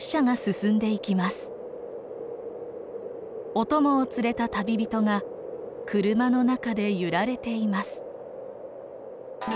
お供を連れた旅人が車の中で揺られています。